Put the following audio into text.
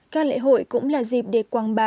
các lễ hội cũng là dịp để quảng bá